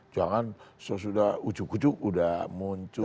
jangan sesudah ujuk ujuk sudah muncul